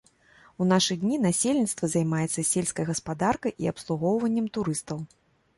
У нашы дні насельніцтва займаецца сельскай гаспадаркай і абслугоўваннем турыстаў.